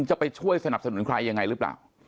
จะไปช่วยสนับสนุนใครยังไงหรือเปล่า